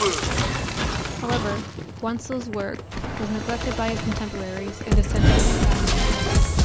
However, Wantzel's work was neglected by his contemporaries and essentially forgotten.